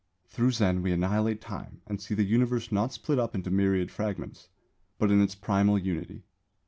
Through Zen we annihilate Time and see the Universe not split up into myriad fragments, but in its primal unity.